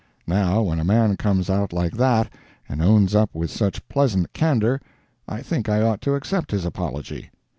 Now, when a man comes out like that, and owns up with such pleasant candor, I think I ought to accept his apology.